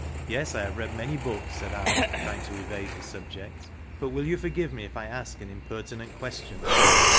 " Yes, I have read many books," said I, trying to evade the subject. " But will you forgive me if I ask an impertinent question?"